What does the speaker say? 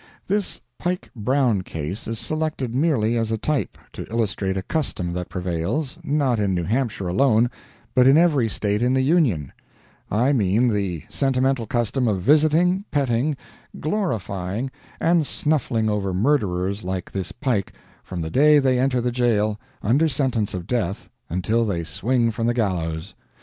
This Pike Brown case is selected merely as a type, to illustrate a custom that prevails, not in New Hampshire alone, but in every state in the Union I mean the sentimental custom of visiting, petting, glorifying, and snuffling over murderers like this Pike, from the day they enter the jail under sentence of death until they swing from the gallows.